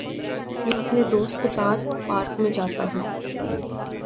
میں اپنے دوست کے ساتھ پارک میں جاتا ہوں۔